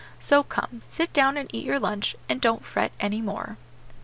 So come, sit down and eat your lunch, and don't fret any more."